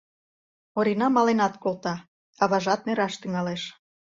Орина маленат колта, аважат нераш тӱҥалеш.